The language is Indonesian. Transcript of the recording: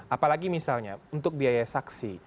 apalagi misalnya untuk biaya saksi